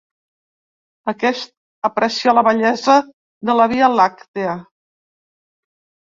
Aquest aprecia la bellesa de la Via Làctia.